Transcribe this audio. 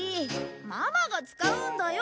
ママが使うんだよ！